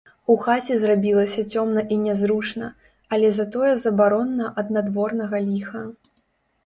У хаце зрабілася цёмна і нязручна, але затое забаронна ад надворнага ліха.